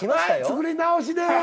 作り直しです。